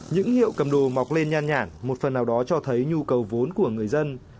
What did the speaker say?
những hiệu cầm đồ mọc lên nhan nhản một phần nào đó cho thấy nhu cầu vốn của người dân